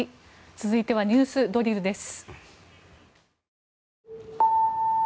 続いてはＮＥＷＳドリルです。